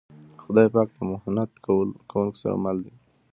خدای پاک د محنت کونکو سره مل دی.